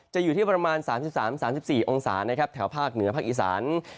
จะอยู่ที่ประมาณ๓๓๓๔องศาแถวภาคเหนือภาคอีสาน